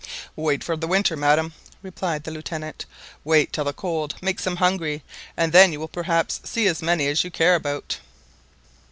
"Wait for the winter, madam," replied the Lieutenant; "wait till the cold makes them hungry, and then you will perhaps see as many as you care about